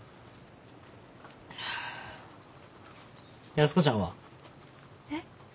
安子ちゃんは？えっ？